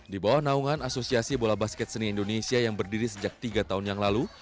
di bawah naungan asosiasi bola basket seni indonesia yang berdiri sejak tiga tahun yang lalu